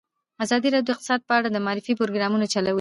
ازادي راډیو د اقتصاد په اړه د معارفې پروګرامونه چلولي.